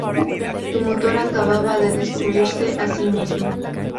Tu motor acababa de destruirse a sí mismo".